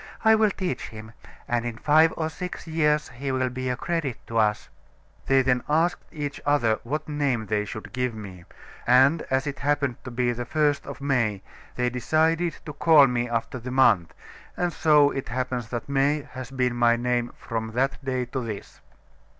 I will teach him; and in five or six years he will be a credit to us.' They then asked each other what name they should give me, and as it happened to be the first day of May, they decided to call me after the month, and so it happens that May has been my name from that day to this."